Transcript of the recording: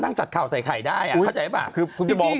มานั่งจัดข่าวใส่ไข่ได้เข้าใจไหม